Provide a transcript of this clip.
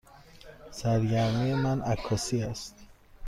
سرگرمی من عکاسی است.